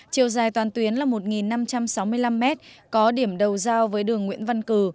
chiều dài toàn tuyến là một năm trăm sáu mươi năm m có điểm đầu giao với đường nguyễn văn cử